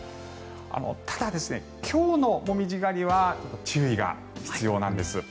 ただ、今日のモミジ狩りは注意が必要なんです。